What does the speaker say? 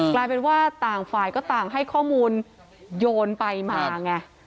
กลายเป็นว่าต่างฝ่ายก็ต่างให้ข้อมูลโยนไปมาไง